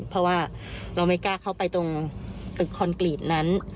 เพราะว่าเราไม่กล้าเข้าไปตรงตึกคอนกรีตนั้น